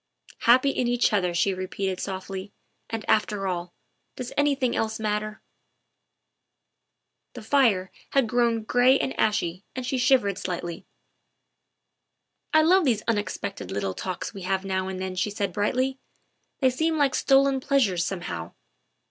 " Happy in each other," she repeated softly, " and, after all, does anything else matter ?'' The fire had grown gray and ashy and she shivered slightly. '' I love these unexpected little talks we have now and then," she said brightly; " they seem like stolen pleas ures somehow.